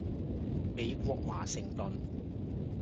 美國華盛頓